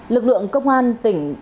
lực lượng công an tỉnh quảng bắc